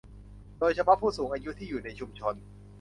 โดยเฉพาะผู้สูงอายุที่อยู่ในชุมชน